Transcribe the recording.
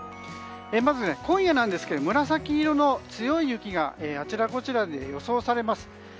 まず、今夜なんですけれども紫色の強い雪があちらこちらで予想されます。